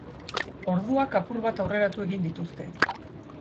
Orduak apur bat aurreratu egin dituzte.